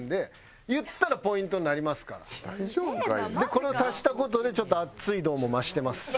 これを足した事でちょっと「あっついど」も増してます。